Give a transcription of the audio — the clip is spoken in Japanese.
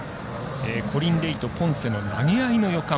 コリン・レイとポンセの投げ合いの予感。